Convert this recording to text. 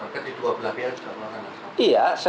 ketiduap belah biasa